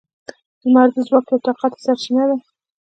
• لمر د ځواک یوه طاقته سرچینه ده.